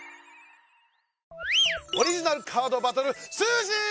オリジナルカードバトルスージー！